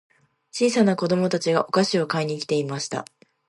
小さな子供たちがお菓子を買いに来ていました。